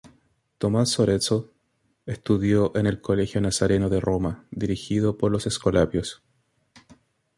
Tommaso Arezzo estudió en el collegio Nazareno de Roma, dirigido por los escolapios.